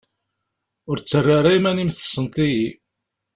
Ur ttarra ara iman-im tessneḍ-iyi.